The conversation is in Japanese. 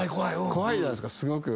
怖いじゃないですかすごく。